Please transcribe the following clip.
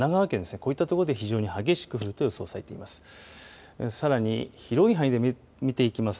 こういった所で非常に激しく降ると予想されています。